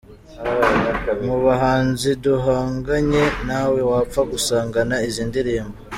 Mu bahanzi duhanganye ntawe wapfa gusangana izi ndirimbo.